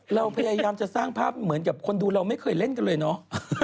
เราพยายามจะสร้างภาพเหมือนกับคนดูเราไม่เคยเล่นกันเลยเนาะ